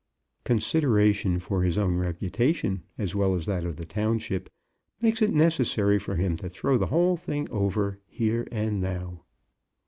Consideration for his own reputation, as well as that of the township, makes it necessary for him to throw the whole thing over, here and now.